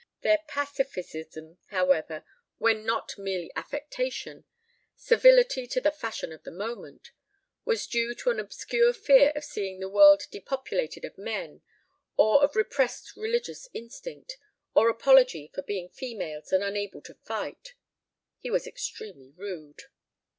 Their pacificism, however, when not mere affectation servility to the fashion of the moment was due to an obscure fear of seeing the world depopulated of men, or of repressed religious instinct, or apology for being females and unable to fight. He was extremely rude.